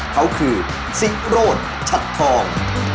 เขาคือซิโรธชัดทอง